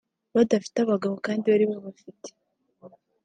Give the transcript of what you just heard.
badafite abagabo kandi bari babafite